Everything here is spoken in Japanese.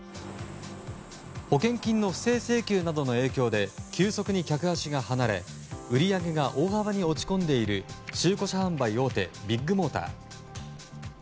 保険金の不正請求などの影響で急速に客足が離れ売り上げが大幅に落ち込んでいる中古車販売大手ビッグモーター。